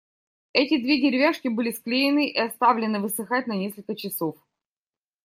Эти две деревяшки были склеены и оставлены высыхать на насколько часов.